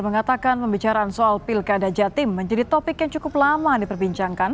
mengatakan pembicaraan soal pilkada jatim menjadi topik yang cukup lama diperbincangkan